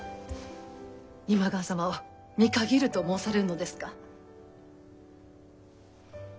今川様を見限ると申されるのですか？